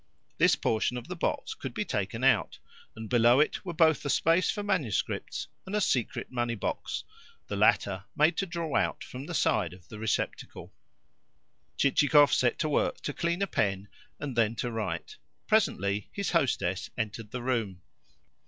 This portion of the box could be taken out, and below it were both a space for manuscripts and a secret money box the latter made to draw out from the side of the receptacle. Chichikov set to work to clean a pen, and then to write. Presently his hostess entered the room.